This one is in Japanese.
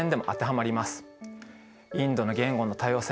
インドの言語の多様性。